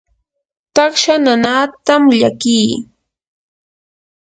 taksha nanaatam llakii.